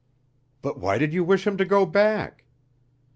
"But why did you wish him to go back?"